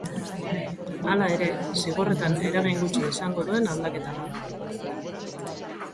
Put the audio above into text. Hala ere, zigorretan eragin gutxi izango duen aldaketa da.